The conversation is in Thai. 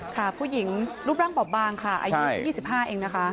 ค่ะผู้หญิงรูปร่างบอบบางค่ะอายุ๒๕เองนะคะ